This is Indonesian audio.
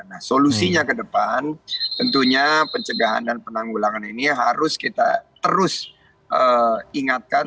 nah solusinya ke depan tentunya pencegahan dan penanggulangan ini harus kita terus ingatkan